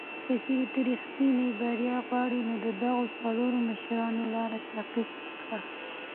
که چېرې ته ریښتینی بری غواړې، نو د دغو څلورو مشرانو لاره تعقیب کړه.